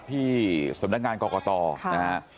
ที่สำนักงานกรกตนะฮะ